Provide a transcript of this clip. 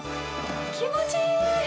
気持ちいい！